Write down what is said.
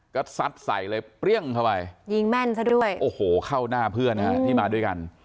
ก็ซัดใส่เลยเปรี้ยงเข้าไปยิงแม่นซะด้วยโอ้โหเข้าหน้าเพื่อนฮะที่มาด้วยกัน